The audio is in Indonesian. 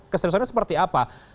keseriusannya seperti apa